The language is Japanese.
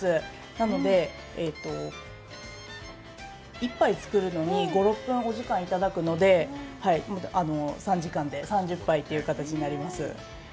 なので、１杯作るのに５６分お時間いただくので３時間で３０杯という形になります。